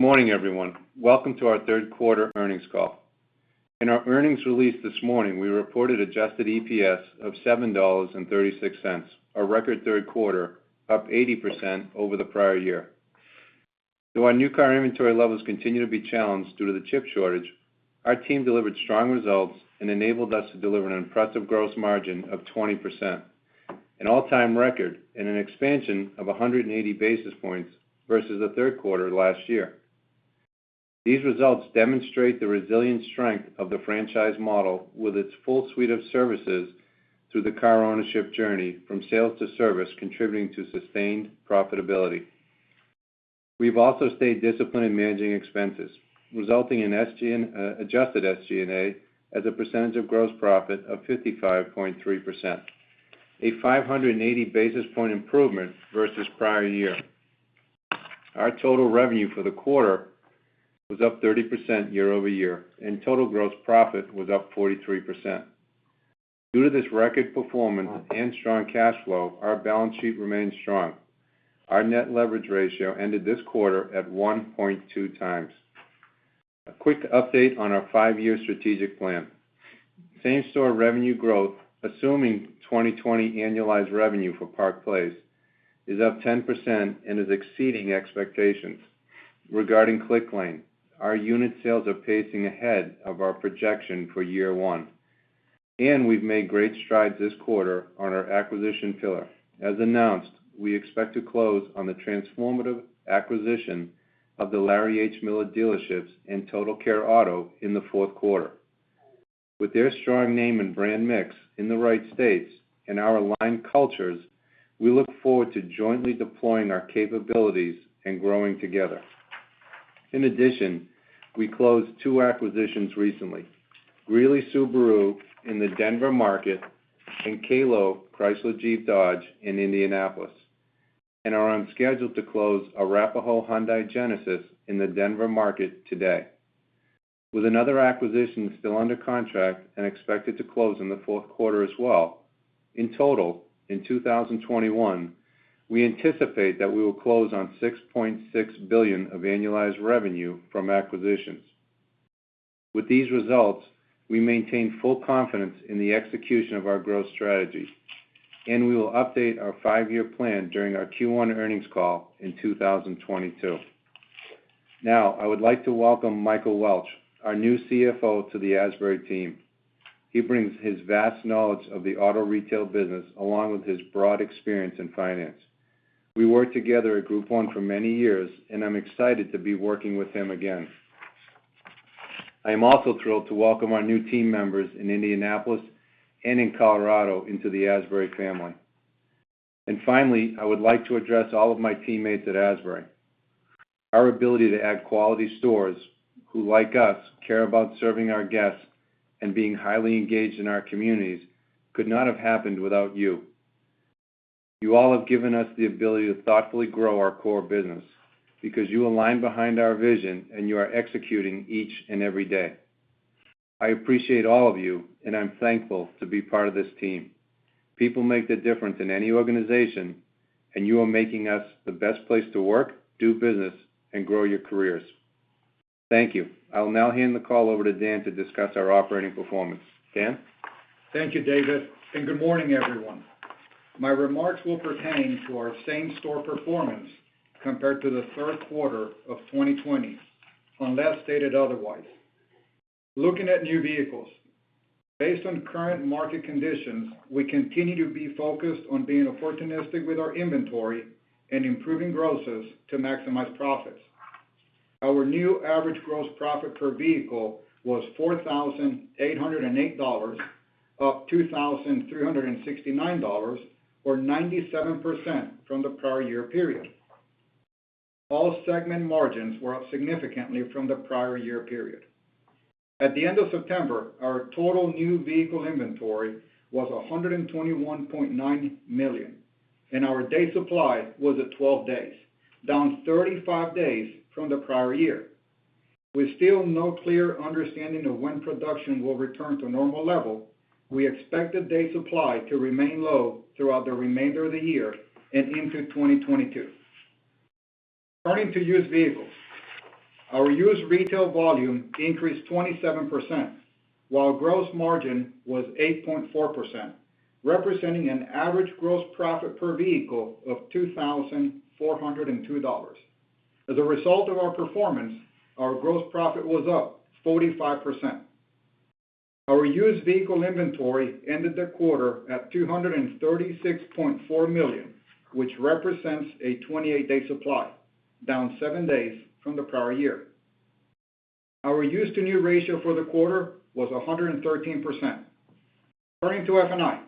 Morning everyone. Welcome to our third quarter earnings call. In our earnings release this morning, we reported Adjusted EPS of $7.36, a record third quarter up 80% over the prior year. Though our new car inventory levels continue to be challenged due to the chip shortage, our team delivered strong results and enabled us to deliver an impressive gross margin of 20%, an all-time record and an expansion of 180 basis points versus the third quarter last year. These results demonstrate the resilient strength of the franchise model with its full suite of services through the car ownership journey, from sales to service, contributing to sustained profitability. We've also stayed disciplined in managing expenses, resulting in adjusted SG&A as a percentage of gross profit of 55.3%, a 580 basis point improvement versus prior year. Our total revenue for the quarter was up 30% year-over-year, and total gross profit was up 43%. Due to this record performance and strong cash flow, our balance sheet remains strong. Our net leverage ratio ended this quarter at 1.2x. A quick update on our five-year strategic plan. Same-store revenue growth, assuming 2020 annualized revenue for Park Place, is up 10% and is exceeding expectations. Regarding Clicklane, our unit sales are pacing ahead of our projection for year one. We've made great strides this quarter on our acquisition pillar. As announced, we expect to close on the transformative acquisition of the Larry H. Miller Dealerships and Total Care Auto in the fourth quarter. With their strong name and brand mix in the right states and our aligned cultures, we look forward to jointly deploying our capabilities and growing together. In addition, we closed two acquisitions recently, Greeley Subaru in the Denver market and Kahlo Chrysler Dodge Dodge Ram in Indianapolis, and are on schedule to close Arapahoe Hyundai and Genesis of Arapahoe in the Denver market today. With another acquisition still under contract and expected to close in the fourth quarter as well, in total, in 2021, we anticipate that we will close on $6.6 billion of annualized revenue from acquisitions. With these results, we maintain full confidence in the execution of our growth strategy, and we will update our five-year plan during our Q1 earnings call in 2022. Now, I would like to welcome Michael Welch, our new CFO, to the Asbury team. He brings his vast knowledge of the auto retail business along with his broad experience in finance. We worked together at Group 1 Automotive for many years, and I'm excited to be working with him again. I am also thrilled to welcome our new team members in Indianapolis and in Colorado into the Asbury family. Finally, I would like to address all of my teammates at Asbury. Our ability to add quality stores who, like us, care about serving our guests and being highly engaged in our communities could not have happened without you. You all have given us the ability to thoughtfully grow our core business because you align behind our vision and you are executing each and every day. I appreciate all of you, and I'm thankful to be part of this team. People make the difference in any organization, and you are making us the best place to work, do business, and grow your careers. Thank you. I will now hand the call over to Dan to discuss our operating performance. Dan? Thank you, David, and good morning, everyone. My remarks will pertain to our same-store performance compared to the third quarter of 2020, unless stated otherwise. Looking at new vehicles. Based on current market conditions, we continue to be focused on being opportunistic with our inventory and improving grosses to maximize profits. Our new average gross profit per vehicle was $4,808, up $2,369 or 97% from the prior year period. All segment margins were up significantly from the prior year period. At the end of September, our total new vehicle inventory was $121.9 million, and our day supply was at 12 days, down 35 days from the prior year. With still no clear understanding of when production will return to a normal level, we expect the day supply to remain low throughout the remainder of the year and into 2022. Turning to used vehicles. Our used retail volume increased 27%, while gross margin was 8.4%, representing an average gross profit per vehicle of $2,402. As a result of our performance, our gross profit was up 45%. Our used vehicle inventory ended the quarter at $236.4 million, which represents a 28-day supply, down seven days from the prior year. Our used to new ratio for the quarter was 113%. Turning to F&I.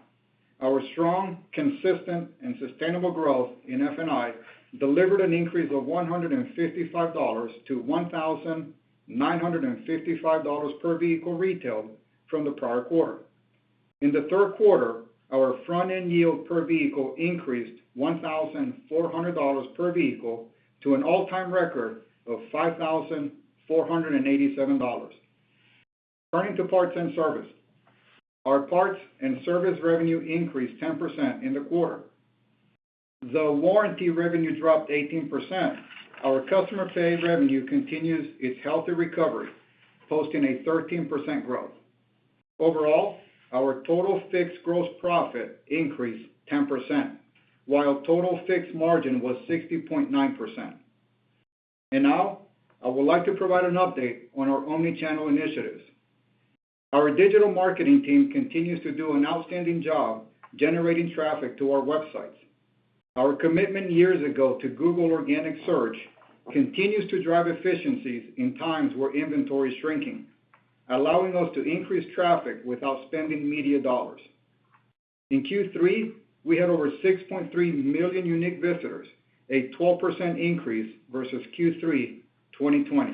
Our strong, consistent, and sustainable growth in F&I delivered an increase of $155 to $1,955 per vehicle retailed from the prior quarter. In the third quarter, our front-end yield per vehicle increased $1,400 per vehicle to an all-time record of $5,487. Turning to parts and service. Our parts and service revenue increased 10% in the quarter. The warranty revenue dropped 18%. Our customer pay revenue continues its healthy recovery, posting a 13% growth. Overall, our total fixed gross profit increased 10%, while total fixed margin was 60.9%. Now, I would like to provide an update on our omni-channel initiatives. Our digital marketing team continues to do an outstanding job generating traffic to our websites. Our commitment years ago to Google organic search continues to drive efficiencies in times where inventory is shrinking, allowing us to increase traffic without spending media dollars. In Q3, we had over 6.3 million unique visitors, a 12% increase versus Q3 2020.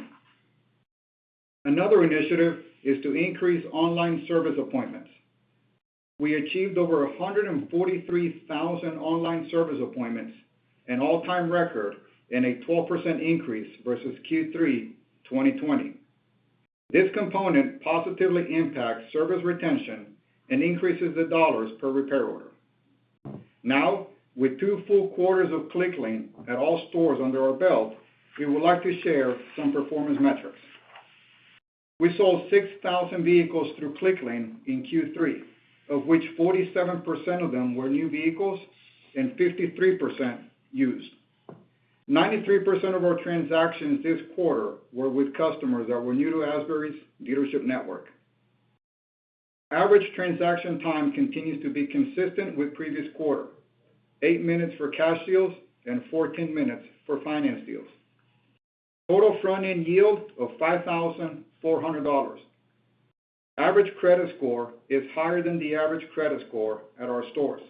Another initiative is to increase online service appointments. We achieved over 143,000 online service appointments, an all-time record and a 12% increase versus Q3 2020. This component positively impacts service retention and increases the dollars per repair order. Now, with two full quarters of Clicklane at all stores under our belt, we would like to share some performance metrics. We sold 6,000 vehicles through Clicklane in Q3, of which 47% of them were new vehicles and 53% used. 93% of our transactions this quarter were with customers that were new to Asbury's dealership network. Average transaction time continues to be consistent with previous quarter, eight minutes for cash deals and 14 minutes for finance deals. Total front-end yield of $5,400. Average credit score is higher than the average credit score at our stores.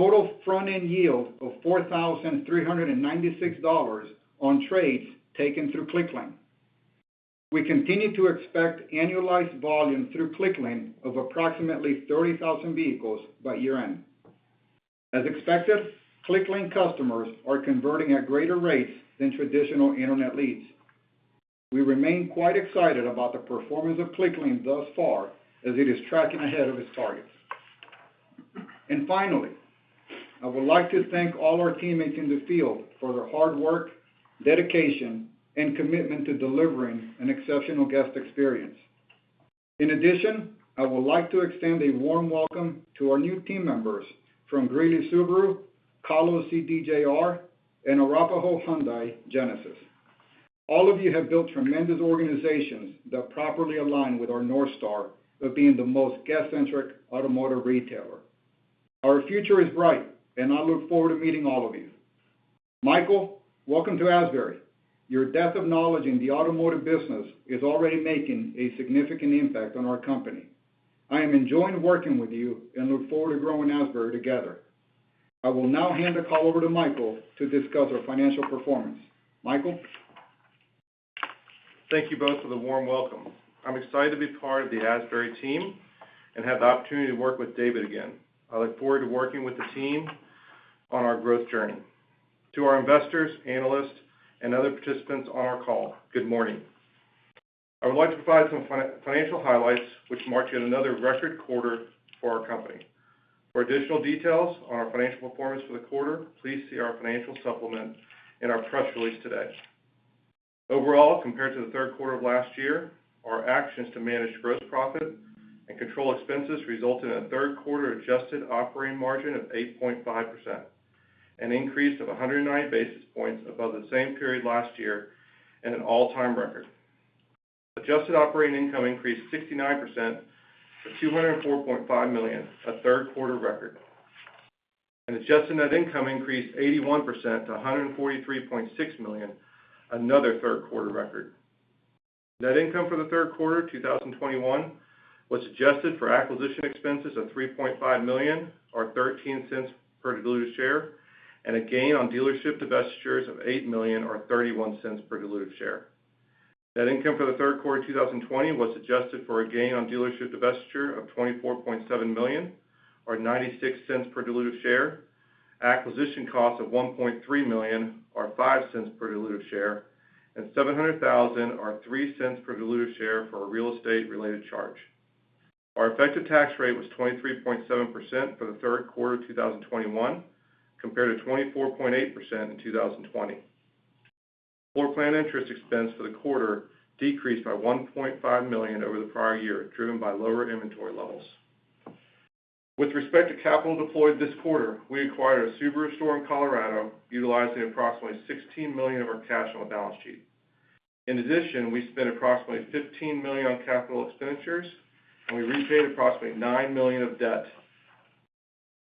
Total front-end yield of $4,396 on trades taken through Clicklane. We continue to expect annualized volume through Clicklane of approximately 30,000 vehicles by year-end. As expected, Clicklane customers are converting at greater rates than traditional internet leads. We remain quite excited about the performance of Clicklane thus far as it is tracking ahead of its targets. Finally, I would like to thank all our teammates in the field for their hard work, dedication, and commitment to delivering an exceptional guest experience. In addition, I would like to extend a warm welcome to our new team members from Greeley Subaru, Kahlo CDJR, and Arapahoe Hyundai-Genesis. All of you have built tremendous organizations that properly align with our North Star of being the most guest-centric automotive retailer. Our future is bright, and I look forward to meeting all of you. Michael, welcome to Asbury. Your depth of knowledge in the automotive business is already making a significant impact on our company. I am enjoying working with you and look forward to growing Asbury together. I will now hand the call over to Michael to discuss our financial performance. Michael? Thank you both for the warm welcome. I'm excited to be part of the Asbury team and have the opportunity to work with David again. I look forward to working with the team on our growth journey. To our investors, analysts, and other participants on our call, good morning. I would like to provide some financial highlights which mark yet another record quarter for our company. For additional details on our financial performance for the quarter, please see our financial supplement in our press release today. Overall, compared to the third quarter of last year, our actions to manage gross profit and control expenses resulted in a third quarter adjusted operating margin of 8.5%, an increase of 109 basis points above the same period last year and an all-time record. Adjusted operating income increased 69% to $204.5 million, a third quarter record. Adjusted net income increased 81% to $143.6 million, another third quarter record. Net income for the third quarter 2021 was adjusted for acquisition expenses of $3.5 million or $0.13 per diluted share, and a gain on dealership divestitures of $8 million or $0.31 per diluted share. Net income for the third quarter 2020 was adjusted for a gain on dealership divestiture of $24.7 million or $0.96 per diluted share, acquisition costs of $1.3 million or $0.05 per diluted share, and $700,000 or $0.03 per diluted share for a real estate-related charge. Our effective tax rate was 23.7% for the third quarter of 2021, compared to 24.8% in 2020. Floor plan interest expense for the quarter decreased by $1.5 million over the prior year, driven by lower inventory levels. With respect to capital deployed this quarter, we acquired a Subaru store in Colorado, utilizing approximately $16 million of our cash on the balance sheet. In addition, we spent approximately $15 million on capital expenditures, and we repaid approximately $9 million of debt.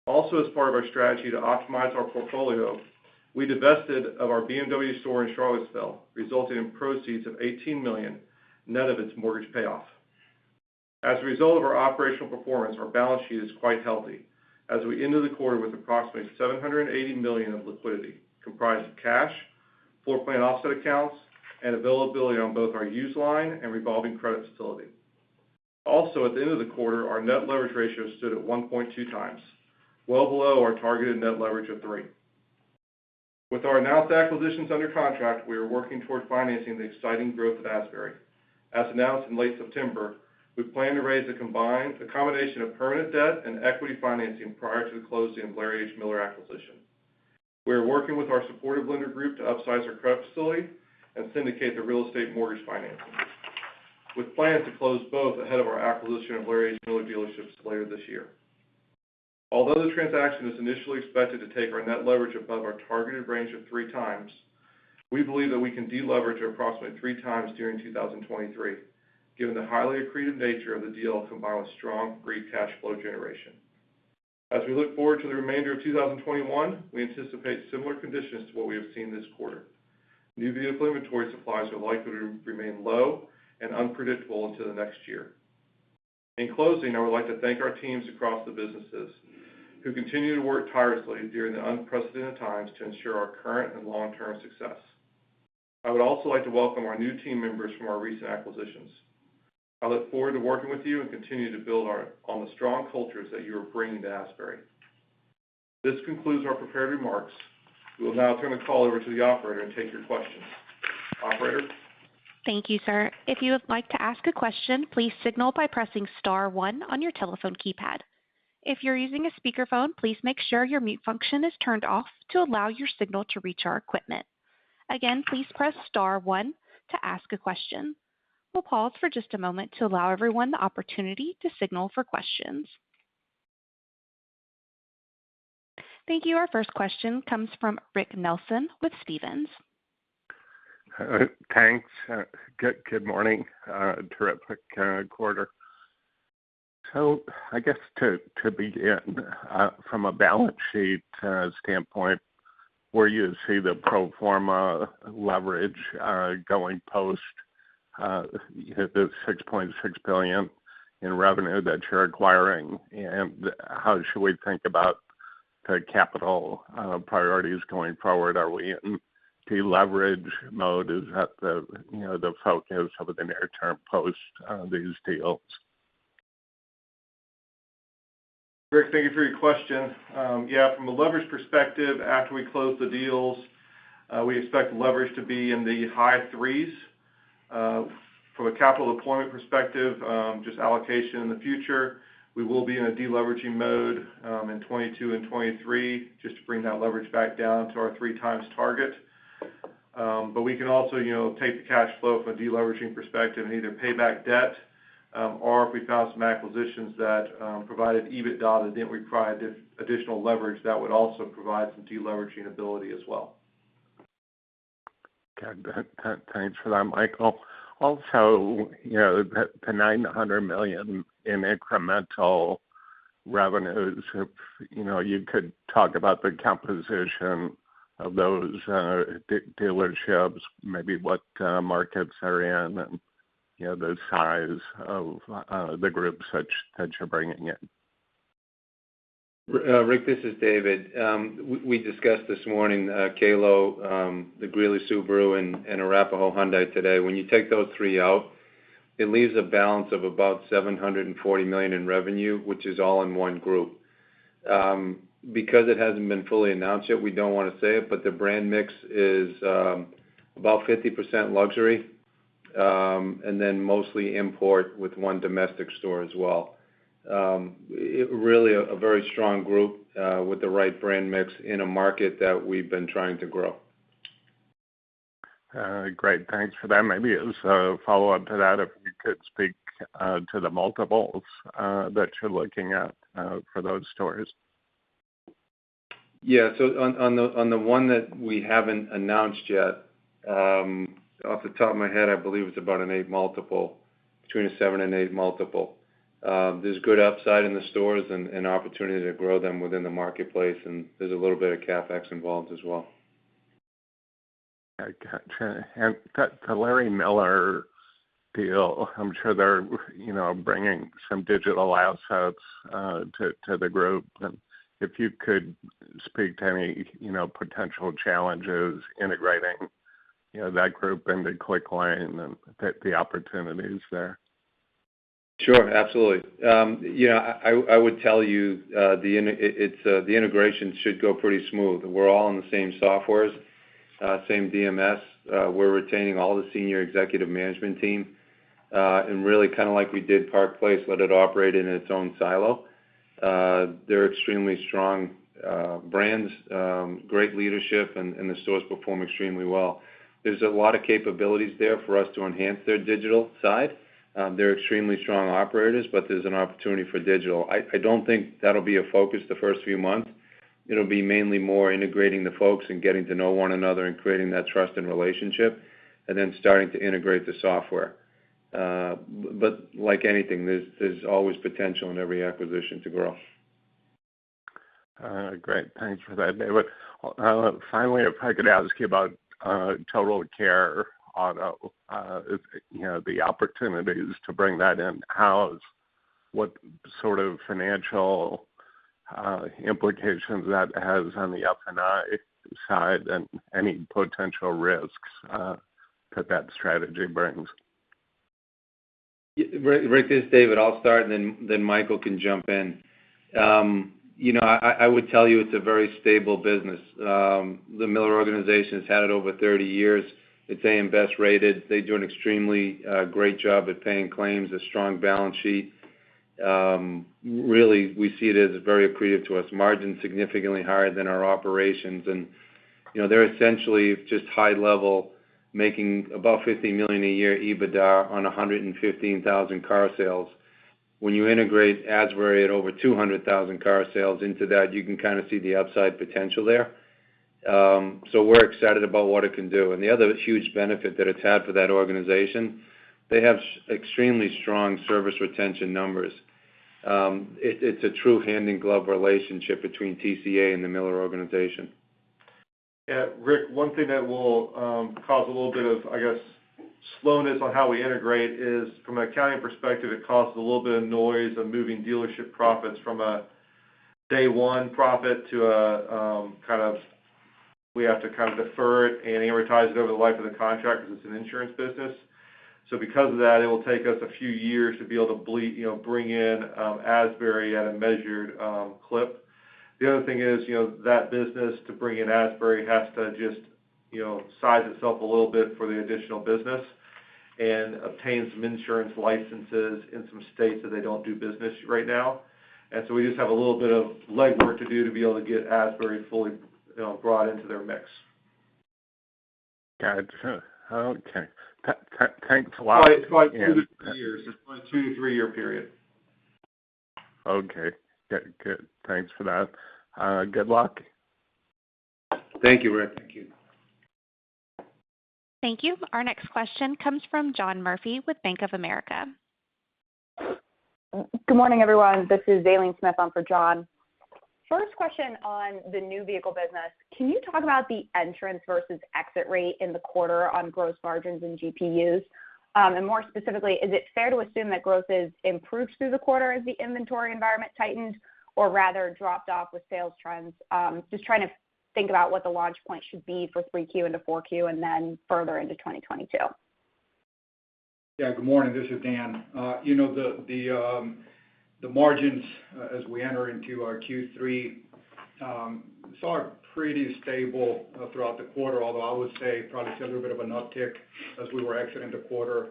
Also, as part of our strategy to optimize our portfolio, we divested of our BMW store in Charlottesville, resulting in proceeds of $18 million net of its mortgage payoff. As a result of our operational performance, our balance sheet is quite healthy as we ended the quarter with approximately $780 million of liquidity comprised of cash, floor plan offset accounts, and availability on both our U.S. line and revolving credit facility. Also, at the end of the quarter, our net leverage ratio stood at 1.2x, well below our targeted net leverage of 3x. With our announced acquisitions under contract, we are working toward financing the exciting growth of Asbury. As announced in late September, we plan to raise a combination of permanent debt and equity financing prior to the closing of Larry H. Miller Dealerships acquisition. We are working with our supportive lender group to upsize our credit facility and syndicate the real estate mortgage financing. We plan to close both ahead of our acquisition of Larry H. Miller Dealerships later this year. Although the transaction is initially expected to take our net leverage above our targeted range of 3x, we believe that we can deleverage to approximately 3x during 2023, given the highly accretive nature of the deal, combined with strong free cash flow generation. As we look forward to the remainder of 2021, we anticipate similar conditions to what we have seen this quarter. New vehicle inventory supplies are likely to remain low and unpredictable into the next year. In closing, I would like to thank our teams across the businesses who continue to work tirelessly during the unprecedented times to ensure our current and long-term success. I would also like to welcome our new team members from our recent acquisitions. I look forward to working with you and continue to build on the strong cultures that you're bringing to Asbury. This concludes our prepared remarks. We will now turn the call over to the operator and take your questions. Operator? Thank you, sir. If you would like to ask a question, please signal by pressing star one on your telephone keypad. If you're using a speakerphone, please make sure your mute function is turned off to allow your signal to reach our equipment. Again, please press star one to ask a question. We'll pause for just a moment to allow everyone the opportunity to signal for questions. Thank you. Our first question comes from Rick Nelson with Stephens. Thanks. Good morning. Terrific quarter. I guess to begin, from a balance sheet standpoint, where you see the pro forma leverage going post the $6.6 billion in revenue that you're acquiring, and how should we think about the capital priorities going forward? Are we in deleverage mode? Is that, you know, the focus over the near term post these deals? Rick, thank you for your question. Yeah, from a leverage perspective, after we close the deals, we expect leverage to be in the high 3xs. From a capital deployment perspective, just allocation in the future, we will be in a deleveraging mode, in 2022 and 2023, just to bring that leverage back down to our 3x target. We can also, you know, take the cash flow from a deleveraging perspective and either pay back debt, or if we found some acquisitions that provided EBITDA that didn't require additional leverage, that would also provide some deleveraging ability as well. Okay. Thanks for that, Michael. Also, the $900 million in incremental revenues, if you could talk about the composition of those dealerships, maybe what markets they're in and the size of the groups that you're bringing in. Rick, this is David. We discussed this morning Kahlo, the Greeley Subaru and Arapahoe Hyundai today. When you take those three out, it leaves a balance of about $740 million in revenue, which is all in one group. Because it hasn't been fully announced yet, we don't wanna say it, but the brand mix is about 50% luxury, and then mostly import with one domestic store as well. It really a very strong group with the right brand mix in a market that we've been trying to grow. Great. Thanks for that. Maybe as a follow-up to that, if you could speak to the multiples that you're looking at for those stores. Yeah. On the one that we haven't announced yet, off the top of my head, I believe it's about an 8x, between a 7x and 8x. There's good upside in the stores and opportunity to grow them within the marketplace, and there's a little bit of CapEx involved as well. Okay. To the Larry H. Miller deal, I'm sure they're bringing some digital assets to the group. If you could speak to any potential challenges integrating that group into Clicklane and the opportunities there. Sure. Absolutely. Yeah, I would tell you, the integration should go pretty smooth. We're all on the same softwares, same DMS. We're retaining all the senior executive management team. Really kind of like we did Park Place, let it operate in its own silo. They're extremely strong brands, great leadership and the stores perform extremely well. There's a lot of capabilities there for us to enhance their digital side. They're extremely strong operators, but there's an opportunity for digital. I don't think that'll be a focus the first few months. It'll be mainly more integrating the folks and getting to know one another and creating that trust and relationship, and then starting to integrate the software. Like anything, there's always potential in every acquisition to grow. All right. Great. Thanks for that, David. Finally, if I could ask you about Total Care Auto, you know, the opportunities to bring that in-house, what sort of financial implications that has on the F&I side and any potential risks that that strategy brings? Rick, this is David. I'll start, and then Michael can jump in. You know, I would tell you it's a very stable business. The Miller Organization has had it over 30 years. It's AM Best rated. They do an extremely great job at paying claims, a strong balance sheet. Really, we see it as very accretive to us. Margins significantly higher than our operations and, you know, they're essentially just high level, making about $50 million a year EBITDA on 115,000 car sales. When you integrate Asbury at over 200,000 car sales into that, you can kind of see the upside potential there. We're excited about what it can do. The other huge benefit that it's had for that organization, they have extremely strong service retention numbers. It's a true hand-in-glove relationship between TCA and the Miller Organization. Yeah, Rick, one thing that will cause a little bit of, I guess, slowness on how we integrate is, from an accounting perspective, it causes a little bit of noise of moving dealership profits from a day one profit to a kind of. We have to kind of defer it and amortize it over the life of the contract because it's an insurance business. Because of that, it will take us a few years to be able to, you know, bring in Asbury at a measured clip. The other thing is, you know, that business to bring in Asbury has to just, you know, size itself a little bit for the additional business and obtain some insurance licenses in some states that they don't do business right now. We just have a little bit of legwork to do to be able to get Asbury fully, you know, brought into their mix. Got it. Okay. Thanks a lot. It's probably two-three years. It's probably a two-three-year period. Okay. Good. Thanks for that. Good luck. Thank you, Rick. Thank you. Thank you. Our next question comes from John Murphy with Bank of America. Good morning, everyone. This is Aileen Smith on for John. First question on the new vehicle business. Can you talk about the entrance versus exit rate in the quarter on gross margins and GPUs? And more specifically, is it fair to assume that growth is improved through the quarter as the inventory environment tightened or rather dropped off with sales trends? Just trying to think about what the launch point should be for 3Q into 4Q and then further into 2022. Good morning. This is Dan. You know, the margins as we enter into our Q3 saw pretty stable throughout the quarter, although I would say probably saw a little bit of an uptick as we were exiting the quarter,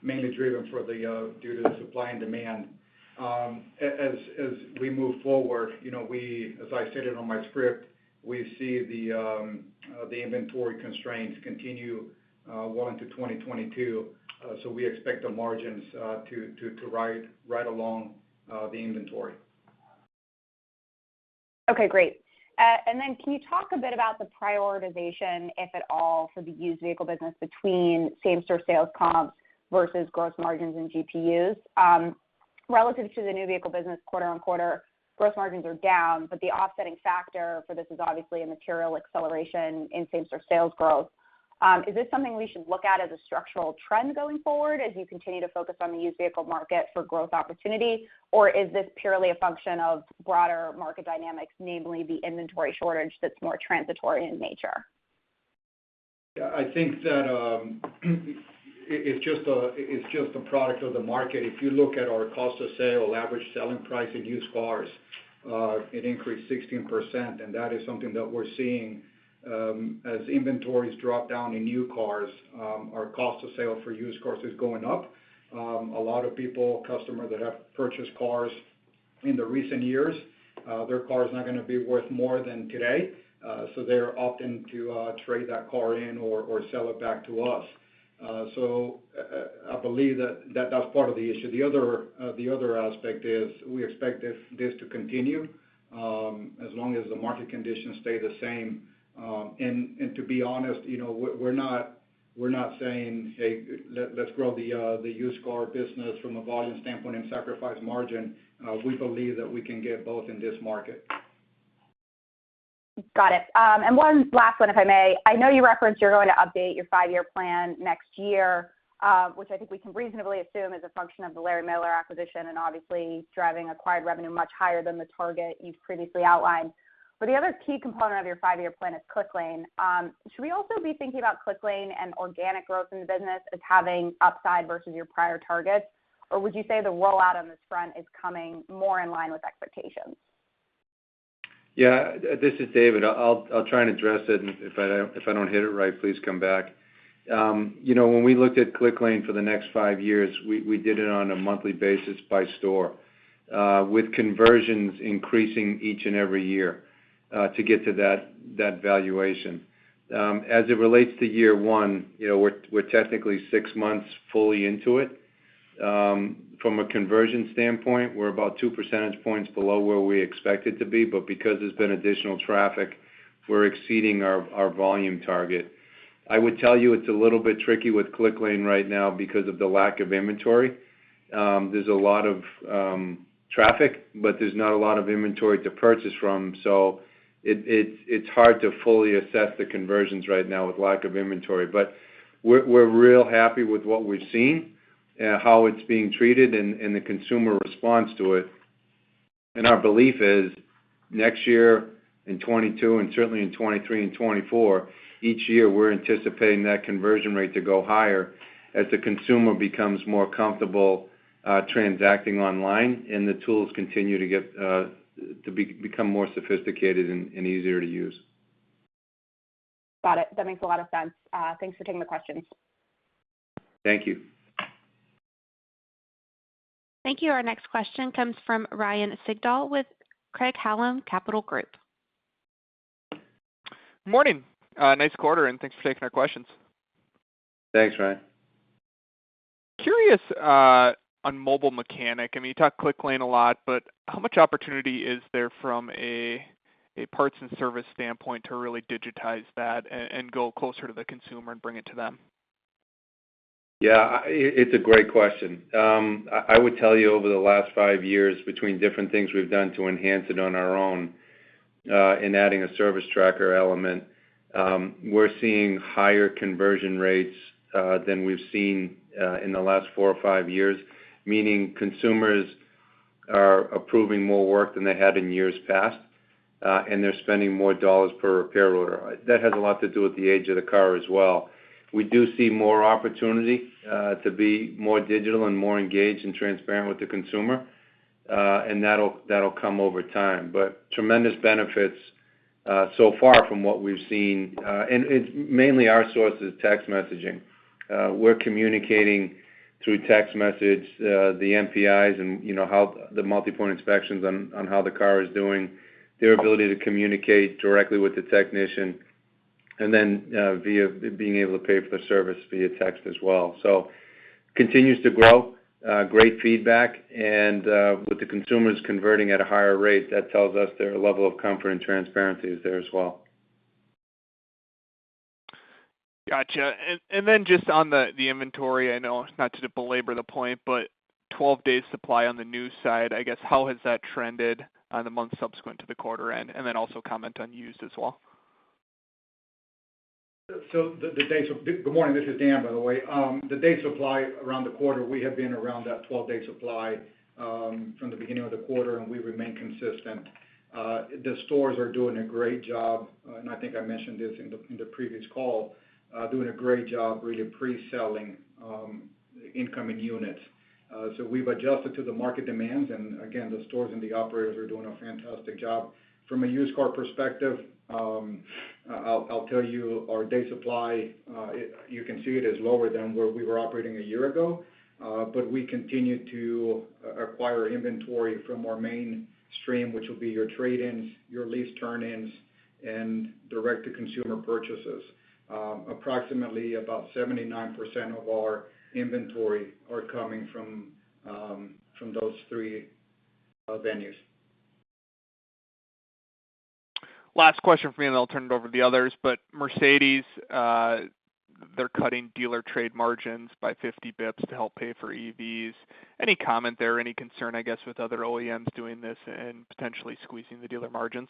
mainly due to the supply and demand. As we move forward, you know, we, as I stated on my script, we see the inventory constraints continue well into 2022. We expect the margins to ride along the inventory. Okay, great. And then can you talk a bit about the prioritization, if at all, for the used vehicle business between same-store sales comp versus gross margins and GPUs? Relative to the new vehicle business quarter-over-quarter, gross margins are down, but the offsetting factor for this is obviously a material acceleration in same-store sales growth. Is this something we should look at as a structural trend going forward as you continue to focus on the used vehicle market for growth opportunity, or is this purely a function of broader market dynamics, namely the inventory shortage that's more transitory in nature? Yeah, I think that it's just a product of the market. If you look at our cost of sale, average selling price in used cars, it increased 16%, and that is something that we're seeing, as inventories drop down in new cars, our cost of sale for used cars is going up. A lot of people, customers that have purchased cars in the recent years, their car is not gonna be worth more than today, so they're opting to trade that car in or sell it back to us. So I believe that that's part of the issue. The other aspect is we expect this to continue, as long as the market conditions stay the same. To be honest, you know, we're not saying, "Hey, let's grow the used car business from a volume standpoint and sacrifice margin." We believe that we can get both in this market. Got it. One last one, if I may. I know you referenced you're going to update your five-year plan next year, which I think we can reasonably assume is a function of the Larry Miller acquisition and obviously driving acquired revenue much higher than the target you've previously outlined. The other key component of your five-year plan is Clicklane. Should we also be thinking about Clicklane and organic growth in the business as having upside versus your prior targets? Or would you say the rollout on this front is coming more in line with expectations? Yeah. This is David. I'll try and address it, and if I don't hit it right, please come back. You know, when we looked at Clicklane for the next five years, we did it on a monthly basis by store, with conversions increasing each and every year, to get to that valuation. As it relates to year one, you know, we're technically six months fully into it. From a conversion standpoint, we're about two percentage points below where we expected to be, but because there's been additional traffic, we're exceeding our volume target. I would tell you it's a little bit tricky with Clicklane right now because of the lack of inventory. There's a lot of traffic, but there's not a lot of inventory to purchase from. It's hard to fully assess the conversions right now with lack of inventory. We're real happy with what we've seen, how it's being treated and the consumer response to it. Our belief is next year in 2022 and certainly in 2023 and 2024, each year we're anticipating that conversion rate to go higher as the consumer becomes more comfortable transacting online and the tools continue to get to become more sophisticated and easier to use. Got it. That makes a lot of sense. Thanks for taking the question. Thank you. Thank you. Our next question comes from Ryan Sigdahl with Craig-Hallum Capital Group. Morning. Nice quarter, and thanks for taking our questions. Thanks, Ryan. Curious, on Mobile Mechanic, I mean, you talk Clicklane a lot, but how much opportunity is there from a parts and service standpoint to really digitize that and go closer to the consumer and bring it to them? Yeah. It's a great question. I would tell you over the last five years, between different things we've done to enhance it on our own, in adding a service tracker element, we're seeing higher conversion rates, than we've seen, in the last four or five years, meaning consumers are approving more work than they have in years past, and they're spending more dollars per repair order. That has a lot to do with the age of the car as well. We do see more opportunity, to be more digital and more engaged and transparent with the consumer, and that'll come over time. Tremendous benefits, so far from what we've seen. It's mainly our source is text messaging. We're communicating through text message, the MPIs and, you know, how the multi-point inspections on how the car is doing, their ability to communicate directly with the technician, and then, via being able to pay for the service via text as well. Continues to grow, great feedback, and, with the consumers converting at a higher rate, that tells us their level of comfort and transparency is there as well. Gotcha. Just on the inventory, I know not to belabor the point, but 12 days supply on the new side. I guess, how has that trended in the months subsequent to the quarter end? Also comment on used as well. Good morning. This is Dan, by the way. The day supply around the quarter, we have been around that 12-day supply from the beginning of the quarter, and we remain consistent. The stores are doing a great job, and I think I mentioned this in the previous call doing a great job really pre-selling incoming units. We've adjusted to the market demands. Again, the stores and the operators are doing a fantastic job. From a used car perspective, I'll tell you our day supply. You can see it is lower than where we were operating a year ago, but we continue to acquire inventory from our mainstream, which will be your trade-ins, your lease turn-ins, and direct-to-consumer purchases. Approximately about 79% of our inventory are coming from those three venues. Last question for me, and I'll turn it over to the others. Mercedes, they're cutting dealer trade margins by 50 basis points to help pay for EVs. Any comment there? Any concern, I guess, with other OEMs doing this and potentially squeezing the dealer margins?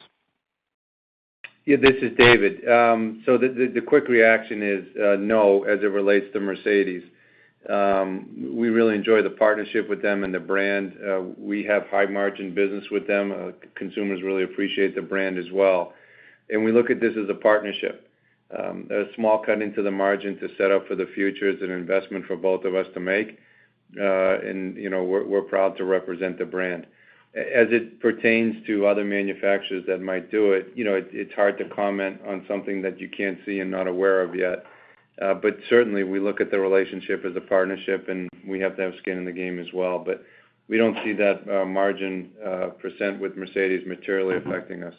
Yeah. This is David. The quick reaction is no, as it relates to Mercedes. We really enjoy the partnership with them and the brand. We have high margin business with them. Consumers really appreciate the brand as well. We look at this as a partnership. A small cut into the margin to set up for the future is an investment for both of us to make, and, you know, we're proud to represent the brand. As it pertains to other manufacturers that might do it, you know, it's hard to comment on something that you can't see and you're not aware of yet. Certainly, we look at the relationship as a partnership, and we have to have skin in the game as well. We don't see that margin percent with Mercedes materially affecting us.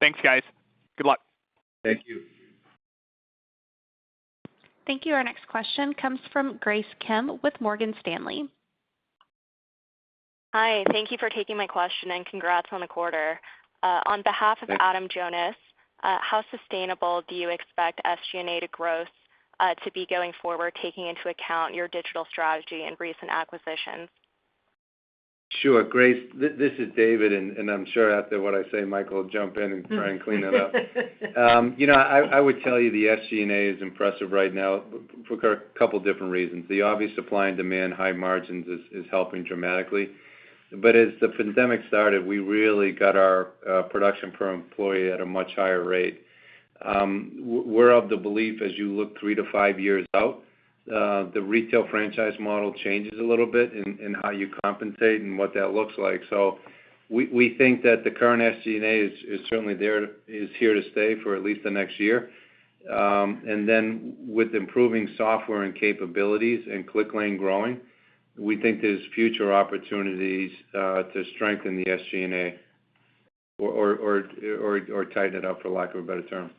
Thanks, guys. Good luck. Thank you. Thank you. Our next question comes from Grace Kim with Morgan Stanley. Hi. Thank you for taking my question, and congrats on the quarter. Thanks. On behalf of Adam Jonas, how sustainable do you expect SG&A to grow to be going forward, taking into account your digital strategy and recent acquisitions? Sure, Grace. This is David, and I'm sure after what I say, Michael will jump in and try and clean it up. You know, I would tell you the SG&A is impressive right now for a couple different reasons. The obvious supply and demand, high margins is helping dramatically. As the pandemic started, we really got our production per employee at a much higher rate. We're of the belief as you look three-five years out, the retail franchise model changes a little bit in how you compensate and what that looks like. We think that the current SG&A is certainly here to stay for at least the next year. With improving software and capabilities and Clicklane growing, we think there's future opportunities to strengthen the SG&A or tighten it up, for lack of a better term.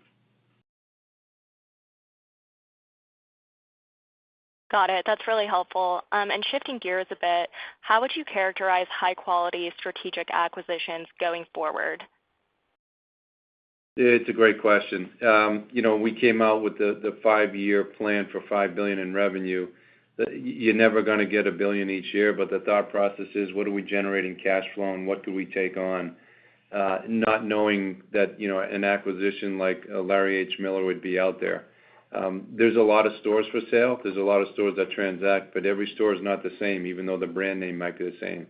Got it. That's really helpful. Shifting gears a bit, how would you characterize high-quality strategic acquisitions going forward? It's a great question. You know, when we came out with the five-year plan for $5 billion in revenue, you're never gonna get a $1 billion each year, but the thought process is what are we generating cash flow and what do we take on, not knowing that, you know, an acquisition like Larry H. Miller would be out there. There's a lot of stores for sale. There's a lot of stores that transact, but every store is not the same, even though the brand name might be the same.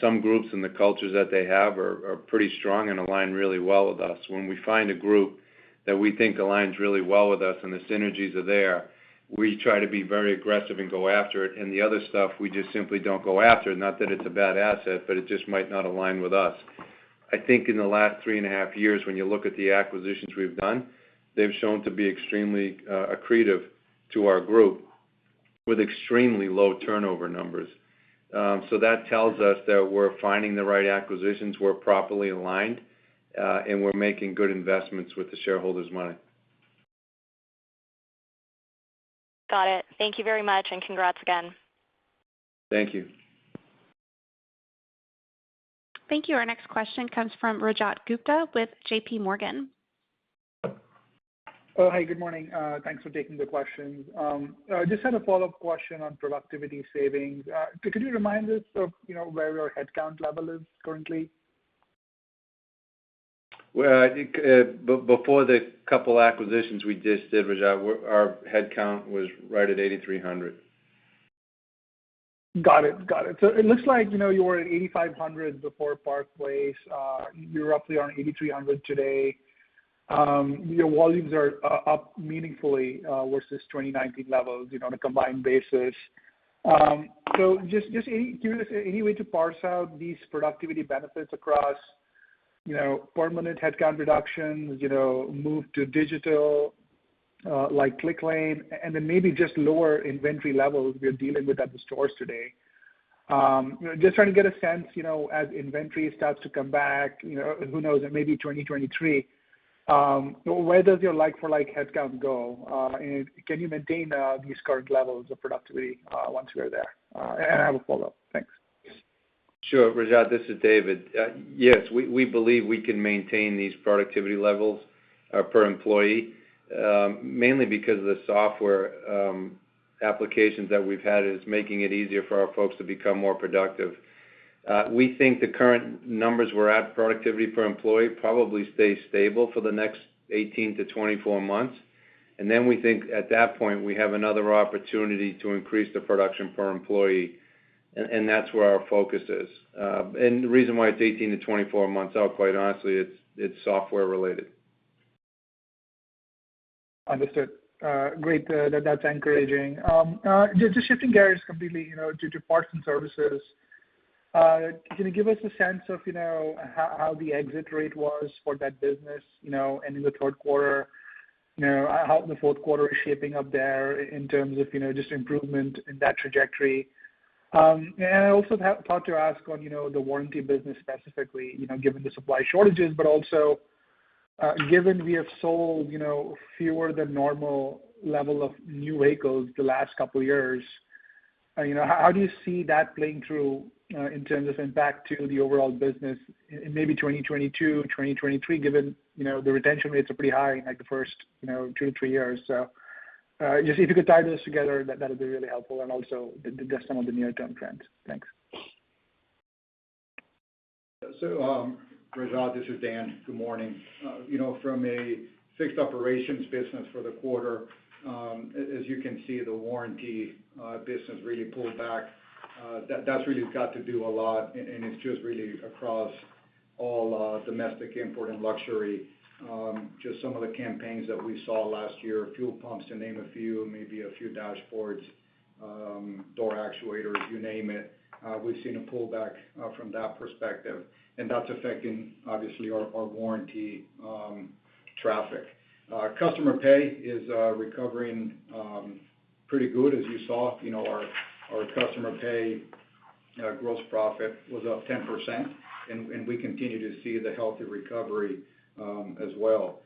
Some groups and the cultures that they have are pretty strong and align really well with us. When we find a group that we think aligns really well with us and the synergies are there, we try to be very aggressive and go after it. The other stuff, we just simply don't go after. Not that it's a bad asset, but it just might not align with us. I think in the last three and a half years, when you look at the acquisitions we've done, they've shown to be extremely accretive to our group with extremely low turnover numbers. That tells us that we're finding the right acquisitions, we're properly aligned, and we're making good investments with the shareholders' money. Got it. Thank you very much, and congrats again. Thank you. Thank you. Our next question comes from Rajat Gupta with JPMorgan. Oh, hi, good morning. Thanks for taking the questions. I just had a follow-up question on productivity savings. Could you remind us of, you know, where your headcount level is currently? Well, I think, before the couple acquisitions we just did, Rajat, our headcount was right at 8,300. Got it. It looks like, you know, you were at 8,500 before Park Place. You're roughly around 8,300 today. Your volumes are up meaningfully versus 2019 levels, you know, on a combined basis. Just give us any way to parse out these productivity benefits across, you know, permanent headcount reductions, you know, move to digital, like Clicklane, and then maybe just lower inventory levels you're dealing with at the stores today. You know, just trying to get a sense, you know, as inventory starts to come back, you know, who knows, it may be 2023, where does your like-for-like headcount go? And can you maintain these current levels of productivity once we are there? And I have a follow-up. Thanks. Sure. Rajat, this is David. Yes, we believe we can maintain these productivity levels per employee mainly because of the software applications that we've had is making it easier for our folks to become more productive. We think the current numbers we're at productivity per employee probably stay stable for the next 18-24 months. Then we think at that point we have another opportunity to increase the production per employee, and that's where our focus is. The reason why it's 18-24 months out, quite honestly, it's software related. Understood. Great. That's encouraging. Just shifting gears completely, you know, to parts and services. Can you give us a sense of, you know, how the exit rate was for that business, you know, ending the third quarter? You know, how the fourth quarter is shaping up there in terms of, you know, just improvement in that trajectory? I also have thought to ask on, you know, the warranty business specifically, you know, given the supply shortages, but also, given we have sold, you know, fewer than normal level of new vehicles the last couple years, you know, how do you see that playing through, in terms of impact to the overall business in maybe 2022 and 2023, given, you know, the retention rates are pretty high in like the first, you know, two-three years? Just if you could tie those together, that'd be really helpful. Also, just some of the near-term trends. Thanks. Rajat, this is Dan. Good morning. You know, from a fixed operations business for the quarter, as you can see, the warranty business really pulled back. That's really got to do a lot, and it's just really across all domestic import and luxury. Just some of the campaigns that we saw last year, fuel pumps, to name a few, maybe a few dashboards, door actuators, you name it, we've seen a pullback from that perspective, and that's affecting, obviously, our warranty traffic. Customer pay is recovering pretty good. As you saw, you know, our customer pay gross profit was up 10%, and we continue to see the healthy recovery as well.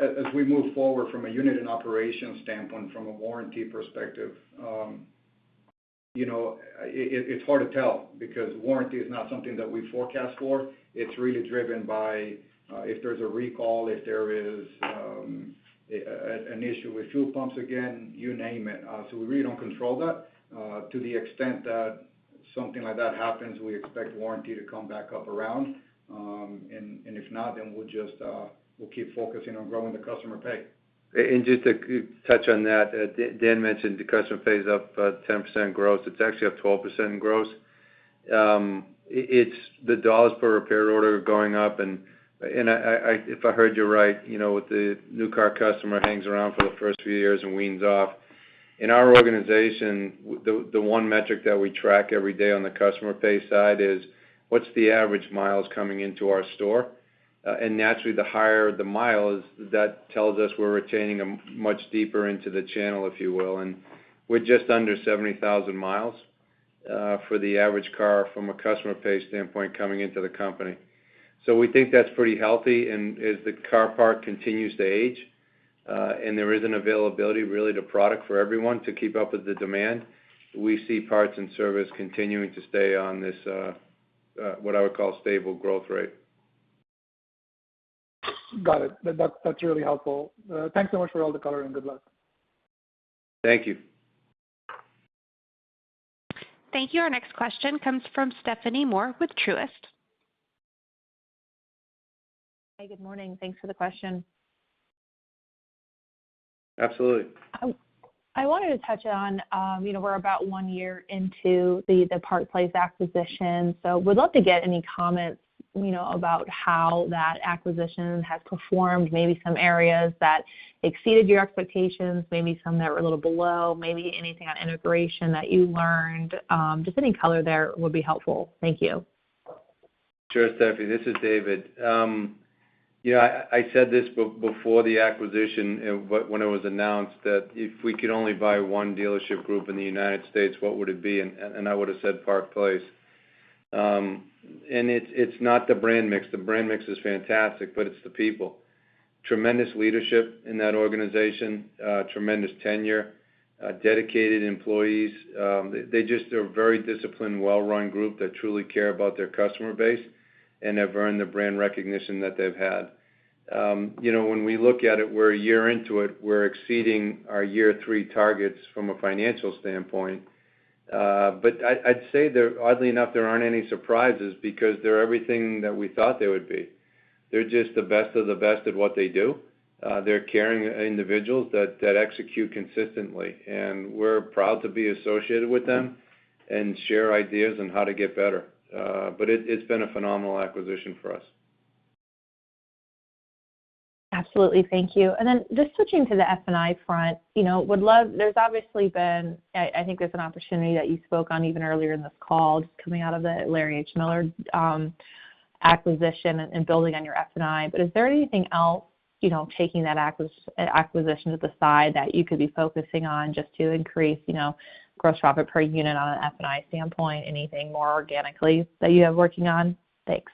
As we move forward from a unit and operation standpoint, from a warranty perspective, you know, it's hard to tell because warranty is not something that we forecast for. It's really driven by if there's a recall, if there is an issue with fuel pumps, again, you name it. We really don't control that. To the extent that something like that happens, we expect warranty to come back up around. If not, then we'll just keep focusing on growing the customer pay. Just to touch on that, Dan mentioned the customer pay is up 10% gross. It's actually up 12% in gross. It's the dollars per repair order going up. If I heard you right, you know, with the new car customer hangs around for the first few years and weans off. In our organization, the one metric that we track every day on the customer pay side is what's the average miles coming into our store. And naturally, the higher the miles, that tells us we're retaining them much deeper into the channel, if you will. We're just under 70,000 mi for the average car from a customer pay standpoint coming into the company. We think that's pretty healthy. As the car park continues to age, and there is limited availability of product for everyone to keep up with the demand, we see parts and service continuing to stay on this what I would call stable growth rate. Got it. That's really helpful. Thanks so much for all the color and good luck. Thank you. Thank you. Our next question comes from Stephanie Moore with Truist. Hey, good morning. Thanks for the question. Absolutely. I wanted to touch on, you know, we're about one year into the Park Place acquisition. I would love to get any comments, you know, about how that acquisition has performed, maybe some areas that exceeded your expectations, maybe some that were a little below, maybe anything on integration that you learned, just any color there would be helpful. Thank you. Sure, Stephanie. This is David. You know, I said this before the acquisition and when it was announced that if we could only buy one dealership group in the United States, what would it be? I would have said Park Place. It's not the brand mix. The brand mix is fantastic, but it's the people. Tremendous leadership in that organization, tremendous tenure, dedicated employees. They just are a very disciplined, well-run group that truly care about their customer base and have earned the brand recognition that they've had. You know, when we look at it, we're a year into it, we're exceeding our year three targets from a financial standpoint. But I'd say oddly enough, there aren't any surprises because they're everything that we thought they would be. They're just the best of the best at what they do. They're caring individuals that execute consistently, and we're proud to be associated with them and share ideas on how to get better. It's been a phenomenal acquisition for us. Absolutely. Thank you. Just switching to the F&I front, you know, would love. There's obviously been, I think there's an opportunity that you spoke on even earlier in this call, just coming out of the Larry H. Miller acquisition and building on your F&I. Is there anything else, you know, taking that acquisition to the side that you could be focusing on just to increase, you know, gross profit per unit on an F&I standpoint? Anything more organically that you have working on? Thanks.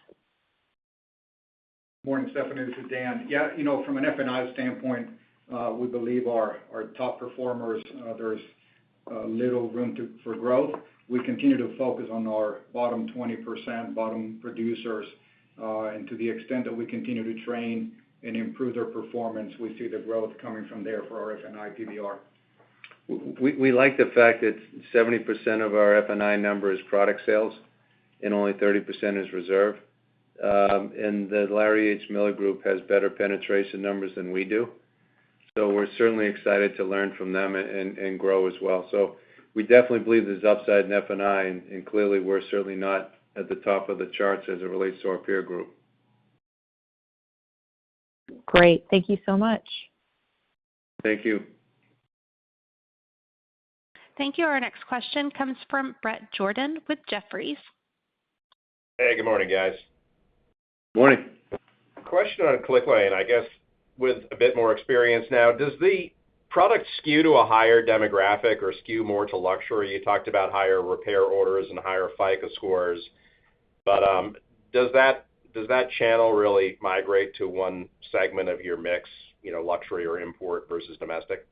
Morning, Stephanie, this is Dan. You know, from an F&I standpoint, we believe our top performers, there's little room for growth. We continue to focus on our bottom 20%, bottom producers, and to the extent that we continue to train and improve their performance, we see the growth coming from there for our F&I PVR. We like the fact that 70% of our F&I number is product sales and only 30% is reserve. The Larry H. Miller Dealerships has better penetration numbers than we do. We're certainly excited to learn from them and grow as well. We definitely believe there's upside in F&I, and clearly, we're certainly not at the top of the charts as it relates to our peer group. Great. Thank you so much. Thank you. Thank you. Our next question comes from Bret Jordan with Jefferies. Hey, Good morning, guys. Morning. Question on Clicklane. I guess with a bit more experience now, does the product skew to a higher demographic or skew more to luxury? You talked about higher repair orders and higher FICO scores. But does that channel really migrate to one segment of your mix, you know, luxury or import versus domestic?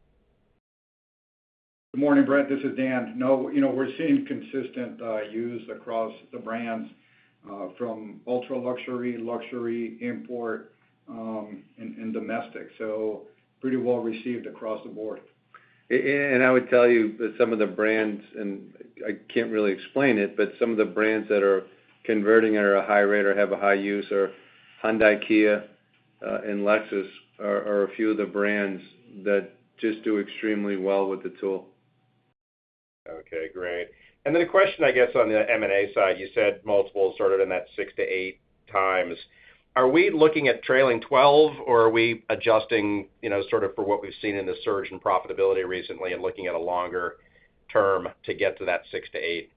Good morning, Bret. This is Dan. No, you know, we're seeing consistent use across the brands from ultra-luxury, luxury, import, and domestic, so pretty well-received across the board. I would tell you that some of the brands, and I can't really explain it, but some of the brands that are converting at a high rate or have a high use are Hyundai, Kia, and Lexus are a few of the brands that just do extremely well with the tool. Okay, great. A question, I guess, on the M&A side, you said multiples sort of in that 6x-8x. Are we looking at trailing 12, or are we adjusting, you know, sort of for what we've seen in the surge in profitability recently and looking at a longer term to get to that 6x-8x?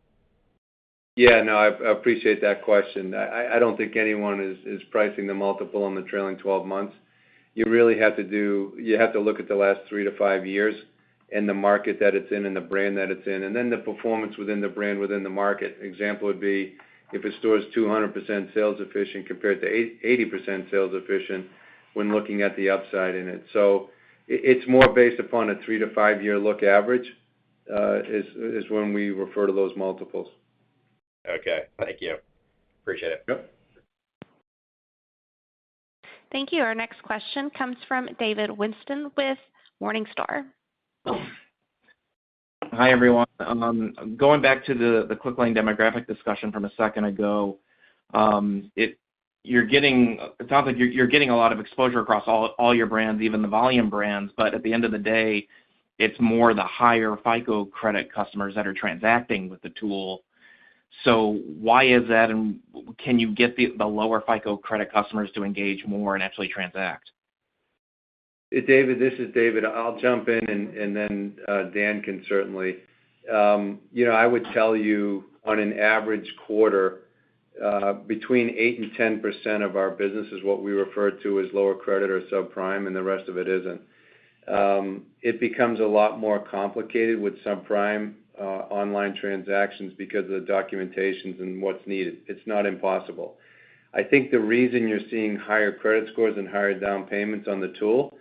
Yeah, no, I appreciate that question. I don't think anyone is pricing the multiple on the trailing 12 months. You have to look at the last three to five years in the market that it's in and the brand that it's in, and then the performance within the brand, within the market. Example would be if a store is 200% sales efficient compared to 80% sales efficient when looking at the upside in it. It's more based upon a three-to-five-year look average, is when we refer to those multiples. Okay. Thank you. Appreciate it. Yep. Thank you. Our next question comes from David Whiston with Morningstar. Hi, everyone. Going back to the Clicklane demographic discussion from a second ago, it sounds like you're getting a lot of exposure across all your brands, even the volume brands. At the end of the day, it's more the higher FICO credit customers that are transacting with the tool. Why is that? Can you get the lower FICO credit customers to engage more and actually transact? David, this is David. I'll jump in and then Dan can certainly. You know, I would tell you, on an average quarter, between 8%-10% of our business is what we refer to as lower credit or subprime, and the rest of it isn't. It becomes a lot more complicated with subprime online transactions because of the documentations and what's needed. It's not impossible. I think the reason you're seeing higher credit scores and higher down payments on the tool is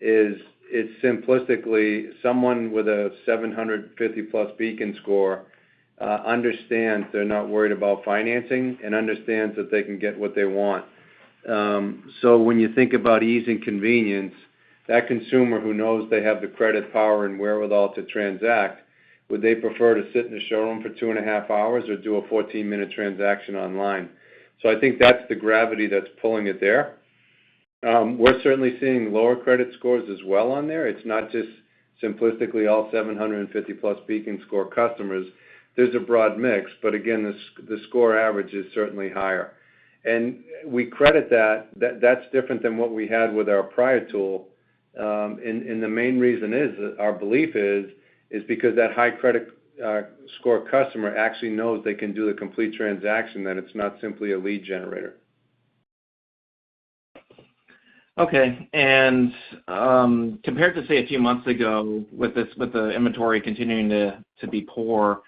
it's simplistically someone with a 750+ Beacon score understands they're not worried about financing and understands that they can get what they want. When you think about ease and convenience, that consumer who knows they have the credit power and wherewithal to transact. Would they prefer to sit in a showroom for 2.5 hours or do a 14-minute transaction online? I think that's the gravity that's pulling it there. We're certainly seeing lower credit scores as well on there. It's not just simplistically all 750+ Beacon score customers. There's a broad mix, but again, the score average is certainly higher. We credit that. That's different than what we had with our prior tool. The main reason is, our belief is because that high credit score customer actually knows they can do a complete transaction, that it's not simply a lead generator. Okay. Compared to, say, a few months ago with the inventory continuing to be poor,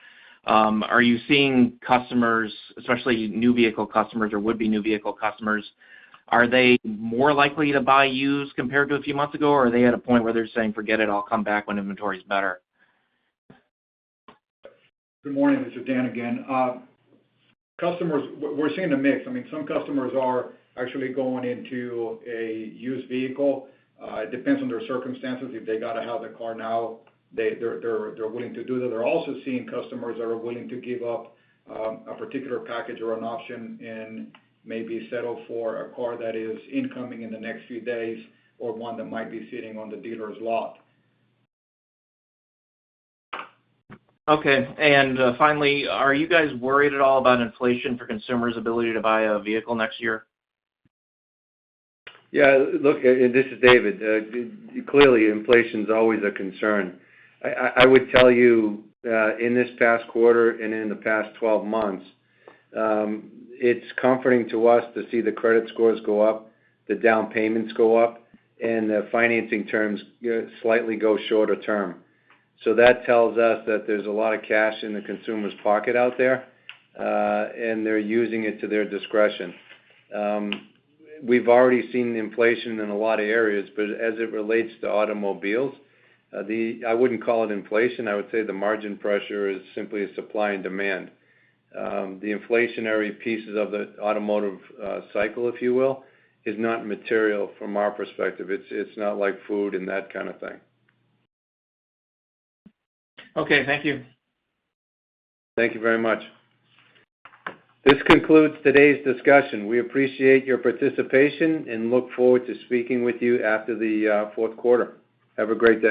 are you seeing customers, especially new vehicle customers or would-be new vehicle customers, are they more likely to buy used compared to a few months ago? Or are they at a point where they're saying, "Forget it, I'll come back when inventory is better? Good morning. This is Dan again. Customers. We're seeing a mix. I mean, some customers are actually going into a used vehicle. It depends on their circumstances. If they gotta have the car now, they're willing to do that. They're also seeing customers that are willing to give up a particular package or an option and maybe settle for a car that is incoming in the next few days or one that might be sitting on the dealer's lot. Okay. Finally, are you guys worried at all about inflation for consumers' ability to buy a vehicle next year? Yeah. Look, this is David. Clearly, inflation's always a concern. I would tell you in this past quarter and in the past 12 months, it's comforting to us to see the credit scores go up, the down payments go up, and the financing terms slightly go shorter term. That tells us that there's a lot of cash in the consumer's pocket out there, and they're using it to their discretion. We've already seen inflation in a lot of areas, but as it relates to automobiles, I wouldn't call it inflation. I would say the margin pressure is simply supply and demand. The inflationary pieces of the automotive cycle, if you will, is not material from our perspective. It's not like food and that kind of thing. Okay, thank you. Thank you very much. This concludes today's discussion. We appreciate your participation and look forward to speaking with you after the fourth quarter. Have a great day.